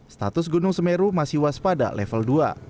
status gunung semeru masih waspada level dua